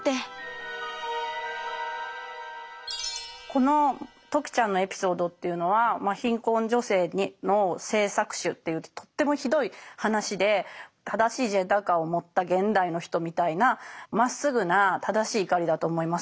この時ちゃんのエピソードというのは貧困女性の性搾取っていうとってもひどい話で正しいジェンダー観を持った現代の人みたいなまっすぐな正しい怒りだと思います。